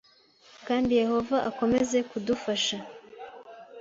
kandi Yehova akomeza kudufasha